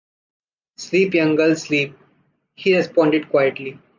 “Sleep young girl, sleep”, he responded quietly.